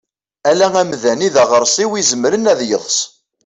Ala amdan i daɣersiw izemren ad yeḍs.